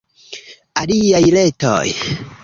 Aliaj retoj.